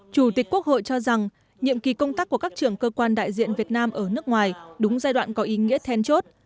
chủ tịch quốc hội cho rằng nhiệm kỳ công tác của các trưởng cơ quan đại diện việt nam ở nước ngoài đúng giai đoạn có ý nghĩa then chốt